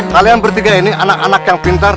kalian bertiga ini anak anak yang pintar